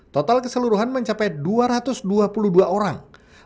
total keseluruhan mencapai dua ratus dua puluh dua orang